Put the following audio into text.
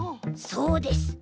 そうです。